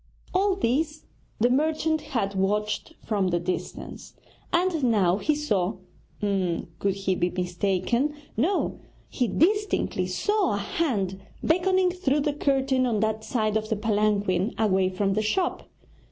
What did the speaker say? All this the merchant had watched from the distance, and now he saw could he be mistaken? no, he distinctly saw a hand beckoning through the curtain on that side of the palanquin away from the shop.